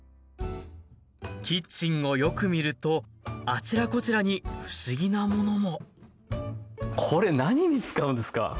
キッチンをよく見るとあちらこちらに不思議なものもこれ何に使うんですか？